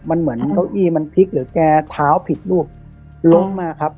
มันเหมือนเก้าอี้มันพลิกหรือแกเท้าผิดรูปล้มมาครับ